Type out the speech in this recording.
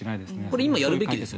今やるべきですよね